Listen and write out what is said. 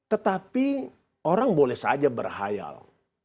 tetapi orang boleh saja berhayal